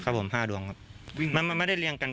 ครับผม๕ดวงครับมันไม่ได้เรียงกัน